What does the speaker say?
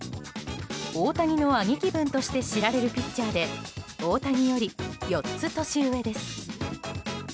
大谷の兄貴分として知られるピッチャーで大谷より４つ年上です。